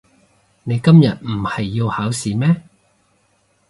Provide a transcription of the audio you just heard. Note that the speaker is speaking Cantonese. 你今日唔係要考試咩？